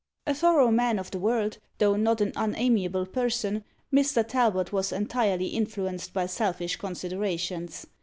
A thorough man of the world, though not an unamiable person, Mr. Talbot was entirely influenced by selfish considerations.